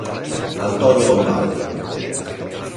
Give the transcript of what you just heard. Antonio Lombardi